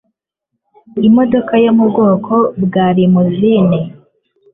imodoka yo mubwoba bwa rimozine